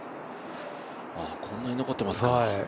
こんなに残っていますか。